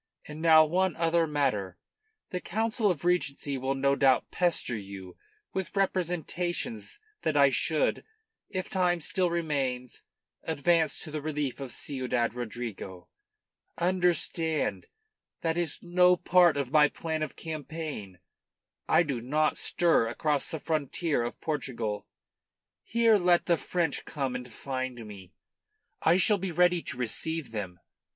And now one other matter: the Council of Regency will no doubt pester you with representations that I should if time still remains advance to the relief of Ciudad Rodrigo. Understand, that is no part of my plan of campaign. I do not stir across the frontier of Portugal. Here let the French come and find me, and I shall be ready to receive them.